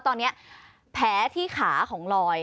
ตอนนี้แผลที่ขาของลอย